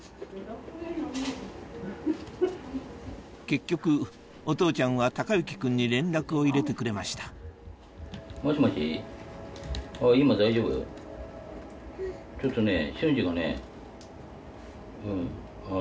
結局お父ちゃんは孝之君に連絡を入れてくれましたちょっとね。